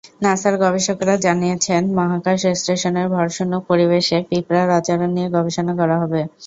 নাসার গবেষকেরা জানিয়েছেন, মহাকাশ স্টেশনের ভরশূন্য পরিবেশে পিঁপড়ার আচরণ নিয়ে গবেষণা করা হবে।